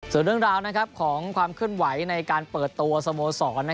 ส่วนเรื่องราวของความเคลื่อนไหวในการเปิดตัวสโมสร